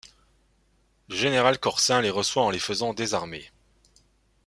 Le général Corsin les reçoit en les faisant désarmer.